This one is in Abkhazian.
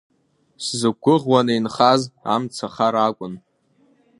Сзықәгәӷуаны инхаз амцахара акәын.